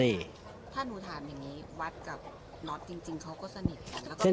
ถ้าหนูถามอย่างนี้วัดกับน็อตจริงเขาก็สนิท